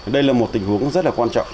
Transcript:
đây là một tình huống rất là quan trọng